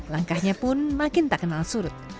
langkahnya pun makin tak kenal surut